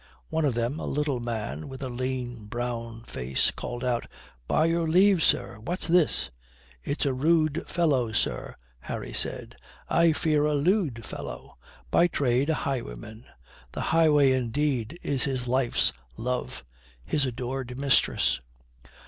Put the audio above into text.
One of them, a little man with a lean, brown face, called out, "By your leave, sir! What's this?" "It's a rude fellow, sir," Harry said. "I fear a lewd fellow. By trade a highwayman. The highway, indeed, is his life's love, his adored mistress.